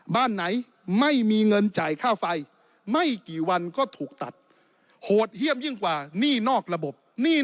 บ้านไหนไม่มีเงินจ่ายค่าไฟไม่กี่วันก็ถูกตัดโหดเยี่ยมยิ่งกว่าหนี้นอกระบบหนี้